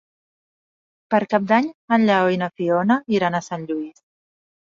Per Cap d'Any en Lleó i na Fiona iran a Sant Lluís.